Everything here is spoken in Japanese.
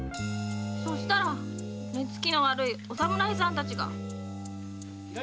そしたら目つきの悪いお侍さんたちが。